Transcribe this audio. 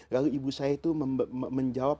lalu ibu saya itu menjawab